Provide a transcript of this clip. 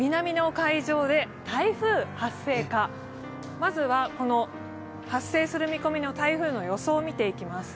まずはこの発生する見込みの台風の予想を見ていきます。